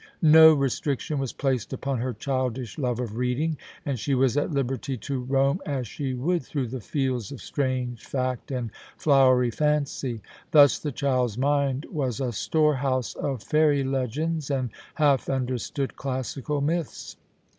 No restriction was placed upon her childish love of reading, and she was at liberty to roam as she would through the fields of strange fact and flowery fancy. Thus the child's mind was a storehouse of fairy legends and half understood classical mjths.